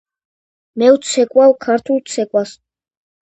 მე ვცეკვავ ქართულ ცეკვას.